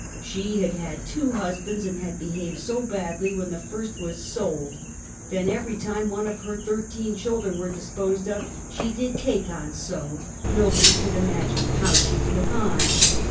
She had had two husbands, and had behaved so badly when the first was sold. Then, every time one of her thirteen children were disposed of, she " did take on so;" nobody could imagine " how she took on!